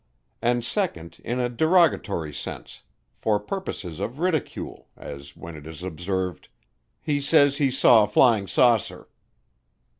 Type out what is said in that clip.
And second in a derogatory sense, for purposes of ridicule, as when it is observed, "He says he saw a flying saucer."